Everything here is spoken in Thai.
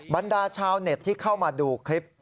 บรรดาชาวเน็ตที่เข้ามาดูคลิป